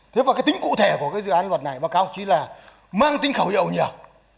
thế và cái tính cụ thể của cái dự án luật này bà cao chí là mang tính khẩu hiệu nhiều